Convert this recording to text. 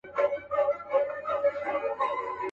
په غوغا به يې په ښار كي ځوان او زوړ كړ.